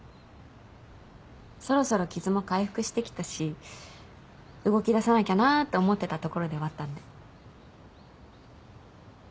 そろそろ傷も回復して来たし動きださなきゃなと思ってたところではあったんで。